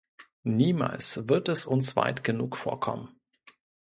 Niemals wird es uns weit genug vorkommen.